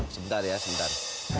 sebentar ya sebentar